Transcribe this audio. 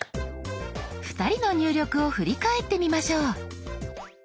２人の入力を振り返ってみましょう。